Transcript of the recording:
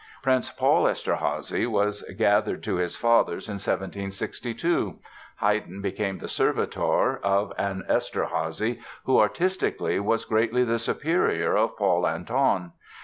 Prince Paul Eszterházy was gathered to his fathers in 1762. Haydn became the servitor of an Eszterházy who artistically was greatly the superior of Paul Anton.